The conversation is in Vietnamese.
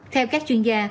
theo các chuyên gia